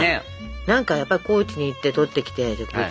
何かやっぱ高知に行って採ってきて植物。